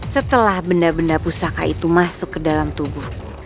setelah benda benda pusaka itu masuk ke dalam tubuh